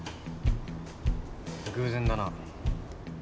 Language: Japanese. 偶然だな。